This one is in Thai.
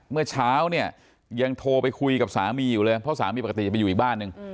เมื่อเช้าเนี่ยยังโทรไปคุยกับสามีอยู่เลยเพราะสามีปกติจะไปอยู่อีกบ้านหนึ่ง